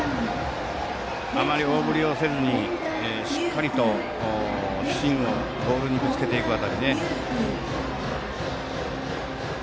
あまり大振りをせずにしっかりとスイングをボールにぶつけていく辺りね。